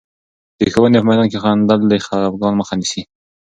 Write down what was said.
د ښوونې په میدان کې خندل، د خفګان مخه نیسي.